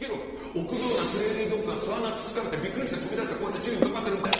臆病なプレーリードッグが巣穴つつかれてびっくりして飛び出してこうやって周囲うかがってるみたいな。